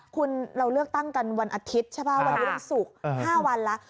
คุณเราเลือกตั้งกันวันอาทิตย์ใช่ป่ะวันนี้วันศุกร์๕วันแล้ว